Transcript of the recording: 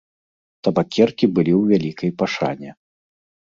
Табакеркі былі ў вялікай пашане.